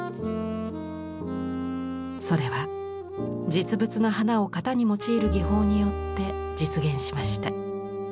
それは実物の花を型に用いる技法によって実現しました。